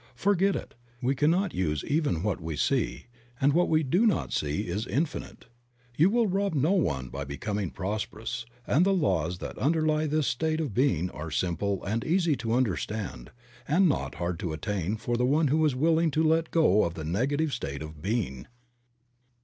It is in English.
Forget it; we cannot use even what we see, and what we do not see is infinite. You will rob no one by becoming prosperous, and the laws that underly this state of being are simple and easy to understand, and not hard to attain for the one who is willing to let go of the negative state of being.